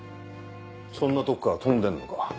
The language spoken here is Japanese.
そんなとこから飛んでんのか？